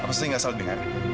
apa sih enggak salah dengar